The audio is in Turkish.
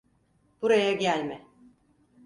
Buraya gelme.